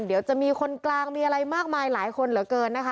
เดี๋ยวจะมีคนกลางมีอะไรมากมายหลายคนเหลือเกินนะคะ